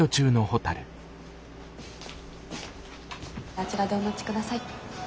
あちらでお待ち下さい。